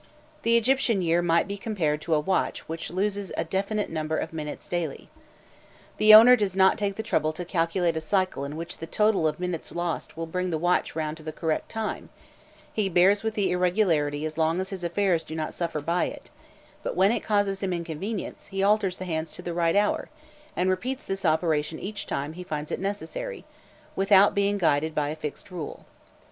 The Egyptian year might be compared to a watch which loses a definite number of minutes daily. The owner does not take the trouble to calculate a cycle in which the total of minutes lost will bring the watch round to the correct time: he bears with the irregularity as long as his affairs do not suffer by it; but when it causes him inconvenience, he alters the hands to the right hour, and repeats this operation each time he finds it necessary, without being guided by a fixed rule.